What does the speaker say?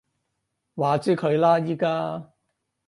話之佢啦而家